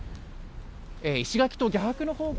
石垣と逆の方向